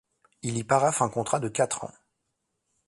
Il y paraphe un contrat de quatre ans.